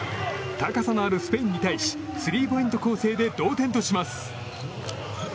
高さのあるスペインに対しスリーポイント攻勢で同点とします。